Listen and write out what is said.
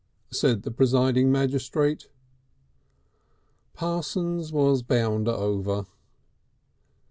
said the presiding magistrate. Parsons was bound over.